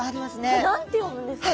これ何て読むんですか？